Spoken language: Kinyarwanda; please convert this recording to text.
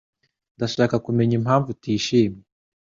Ndashaka kumenya impamvu utishimye.